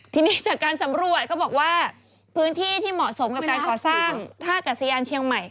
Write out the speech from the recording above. ทีนี้จากการสำรวจก็บอกว่าพื้นที่ที่เหมาะสมกับการก่อสร้างท่ากัศยานเชียงใหม่